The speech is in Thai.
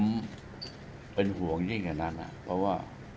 เป็นห่วงยิ่งแค่นั้นอ่ะเพราะว่า